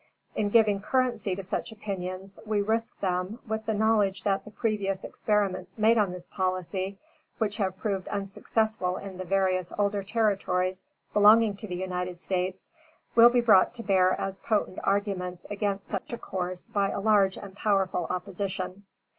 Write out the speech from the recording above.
In giving currency to such opinions, we risk them, with the knowledge that the previous experiments made on this policy, which have proved unsuccessful in the various older territories belonging to the United States, will be brought to bear as potent arguments against such a course by a large and powerful opposition.